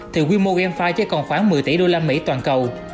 thì quy mô gamefi chỉ còn khoảng một mươi tỷ đô la mỹ toàn cầu